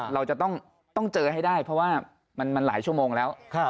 เราจะต้องเจอให้ได้เพราะว่ามันหลายชั่วโมงแล้ว